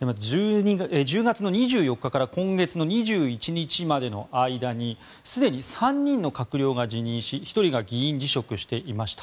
１０月の２４日から今月の２１日までの間にすでに３人の閣僚が辞任し１人が議員辞職していました。